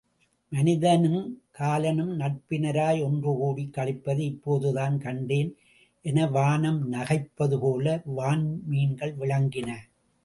மனிதனுங் காலனும் நட்பினராய் ஒன்று கூடிக் களிப்பதை இப்போதுதான் கண்டேன் என வானம் நகைப்பதுபோல வான்மீன்கள் விளங்கின.